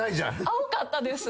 青かったです。